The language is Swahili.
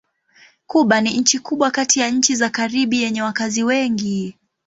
Kuba ni nchi kubwa kati ya nchi za Karibi yenye wakazi wengi.